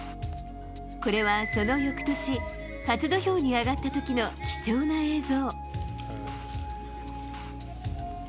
これは、その翌年初土俵に上がった時の貴重な映像。